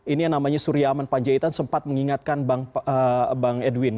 ini yang namanya surya aman panjaitan sempat mengingatkan bang edwin